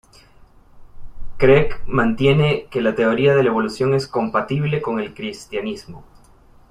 Craig mantiene que la teoría de la evolución es compatible con el cristianismo.